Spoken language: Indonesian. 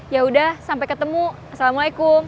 yaudah sampai ketemu assalamualaikum